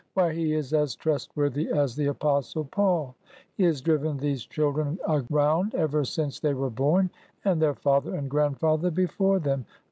'' Why, he is as trustworthy as the Apostle Paul ! He has driven these children around ever since they were born, and their father and grand father before them.